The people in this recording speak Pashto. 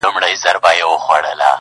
قلندر چي د خداى دوست وو بختور وو٫